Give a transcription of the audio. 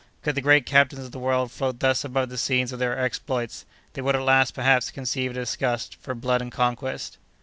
Could the great captains of the world float thus above the scenes of their exploits, they would at last, perhaps, conceive a disgust for blood and conquest."